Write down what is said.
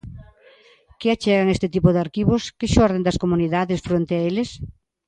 Que achegan este tipo de arquivos, que xorden das comunidades, fronte a eles?